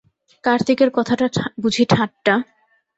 কার্তিকের কথাটা বুঝি ঠাট্টা?